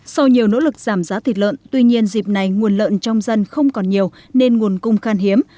sau nhiều nỗ lực giảm giá thịt lợn tuy nhiên dịp này nguồn lợn trong dân không còn nhiều nên nguồn cung khan hiếm